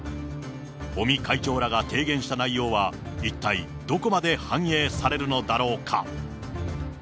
尾身会長らが提言した内容は、一体どこまで反映されるのだろうか。